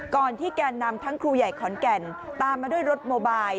ก่อนที่แก่นำทั้งครูใหญ่ขอนแก่นตามมาด้วยรถโมบาย